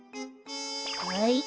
はい。